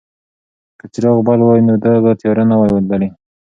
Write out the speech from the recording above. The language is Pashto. که څراغ بل وای نو ده به تیاره نه وای لیدلې.